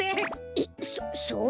えっそそうなの？